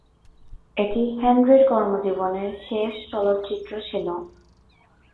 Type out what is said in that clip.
এটি হেনরির কর্মজীবনের শেষ চলচ্চিত্র ছিল।